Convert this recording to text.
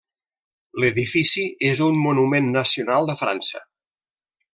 L'edifici és un monument nacional de França.